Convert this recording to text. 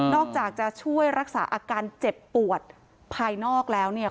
อกจากจะช่วยรักษาอาการเจ็บปวดภายนอกแล้วเนี่ย